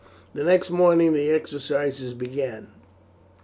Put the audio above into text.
The next morning the exercises began.